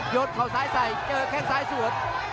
ดเขาซ้ายใส่เจอแค่งซ้ายสวน